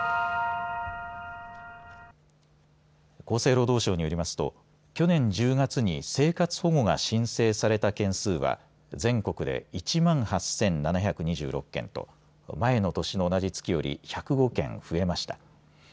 厚生労働省によりますと去年１０月に生活保護が申請された件数は全国で１万８７２６件と前の年の同じ月より１０５件増えました。